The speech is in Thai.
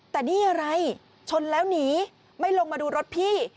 แต่นี่อะไรชนแล้วหนีไม่ลงมาดูรถพี่